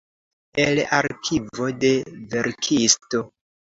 El arkivo de verkisto.